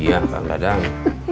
iya kan dadang